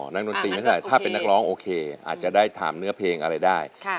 อ๋อนักดนตรีไม่ใช่ถ้าเป็นนักร้องโอเคอาจจะได้ถามเนื้อเพลงอะไรได้ค่ะ